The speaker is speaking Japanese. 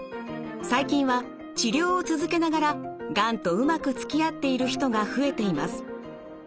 最近は治療を続けながらがんとうまくつきあっている人が増えています。